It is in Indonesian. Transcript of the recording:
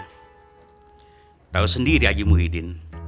hai tahu sendiri